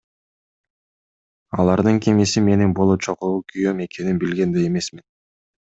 Алардын кимиси менин болочокогу күйөөм экенин билген да эмесмин.